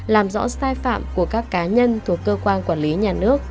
làm rõ sai phạm của các cá nhân thuộc cơ quan quản lý nhà nước